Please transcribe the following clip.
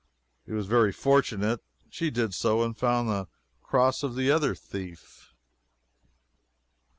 It was very fortunate. She did so, and found the cross of the other thief.